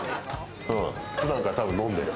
普段からたぶん飲んでる。